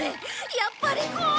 やっぱり怖い！